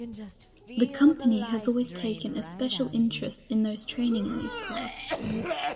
The Company has always taken a special interest in those training in these crafts.